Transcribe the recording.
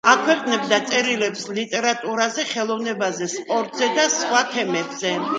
აქვეყნებდა წერილებს ლიტერატურაზე, ხელოვნებაზე, სპორტზე და სხვა თემებზე.